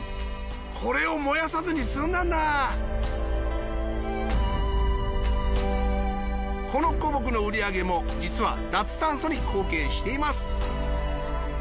これを燃やさずに済んだんだこの古木の売り上げも実は脱炭素に貢献しています